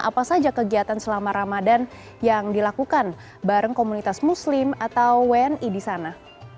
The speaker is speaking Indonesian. apa saja kegiatan selama ramadan yang dilakukan bareng komunitas muslim atau wni di sana